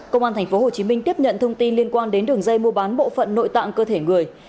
công an tp hcm tiếp nhận thông tin liên quan đến đường dây mua bán bộ phận nội tạng cơ thể người